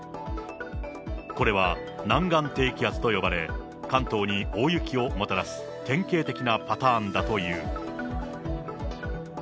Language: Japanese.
これは南岸低気圧と呼ばれ、関東に大雪をもたらす典型的なパターンだという。